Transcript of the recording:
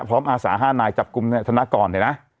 พร้อมอาสาห้านายจับกุมธนากรเห็นเนี้ยนะ